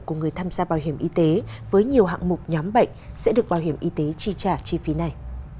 của người tham gia bảo hiểm y tế với nhiều hạng mục nhóm bệnh sẽ được bảo hiểm y tế chi trả chi phí này